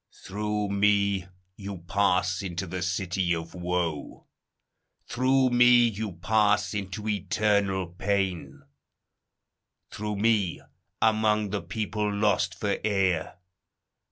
CANTO III. "Through me you pass into the city of woe: Through me you pass into eternal pain: Through me among the people lost for aye.